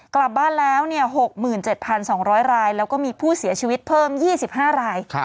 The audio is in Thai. กลับบ้านแล้ว๖๗๒๐๐รายแล้วก็มีผู้เสียชีวิตเพิ่ม๒๕ราย